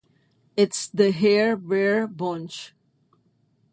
It's The Hair Bear Bunch".